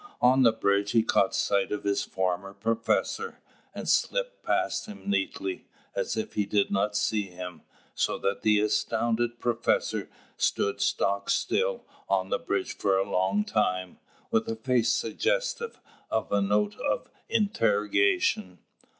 On the bridge he caught sight of his former professor, and slipped past him neatly, as if he did not see him, so that the astounded professor stood stock still on the bridge for a long time, with a face suggestive of a note of interrogation.